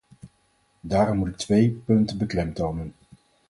Daarom moet ik twee punten beklemtonen.